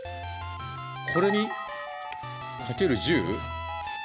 これに掛ける１０？